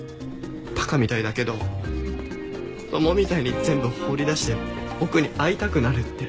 馬鹿みたいだけど子供みたいに全部放り出して僕に会いたくなるって。